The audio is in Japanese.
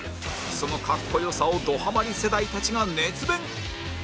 その格好良さをどハマり世代たちが熱弁！